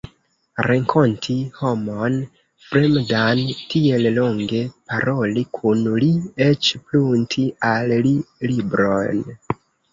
Renkonti homon fremdan, tiel longe paroli kun li, eĉ prunti al li libron!